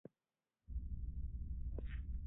Azken honek proiektuaren nondik norakoak azaldu dizkigu.